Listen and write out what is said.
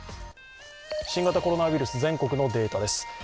新型コロナウイルス、全国のデータです。